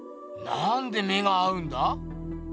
なんで目が合うんだ？